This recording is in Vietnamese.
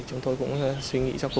chúng tôi cũng suy nghĩ cho cô gái đó